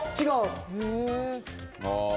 違う？